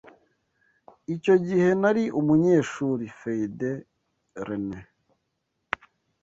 Icyo gihe nari umunyeshuri. (FeuDRenais)